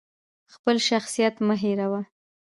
خپل شخصیت مه هیروه!